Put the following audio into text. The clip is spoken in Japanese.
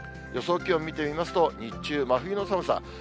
予想気温見てみますと、日中、真冬の寒さ。